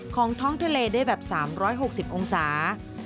ท้องทะเลได้แบบ๓๖๐องศา